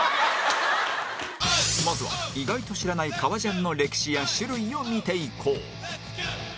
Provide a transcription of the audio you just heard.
まずは意外と知らない革ジャンの歴史や種類を見ていこう